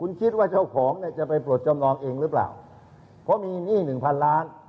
คุณคิดว่าเจ้าของเนี่ยจะไปปลดจำนองเองหรือเปล่าเพราะมีหนี้หนึ่งพันล้าน